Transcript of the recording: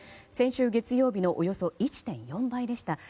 先週月曜日のおよそ１．４倍でした。